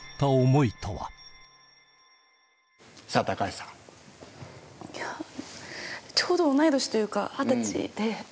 いやちょうど同い年というか二十歳で。